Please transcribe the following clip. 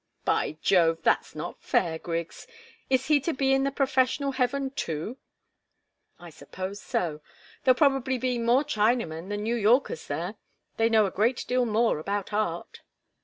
"By Jove! that's not fair, Griggs! Is he to be in the professional heaven, too?" "I suppose so. There'll probably be more Chinamen than New Yorkers there. They know a great deal more about art."